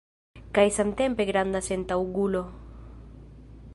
Kaj samtempe granda sentaŭgulo!